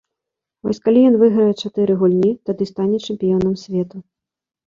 Вось калі ён выйграе чатыры гульні, тады стане чэмпіёнам свету.